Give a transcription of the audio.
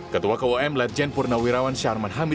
ketua kum ledjen purnawirawan syarman hamid